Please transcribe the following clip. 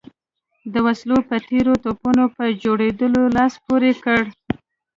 د وسلو په تېره توپونو په جوړولو یې لاس پورې کړ.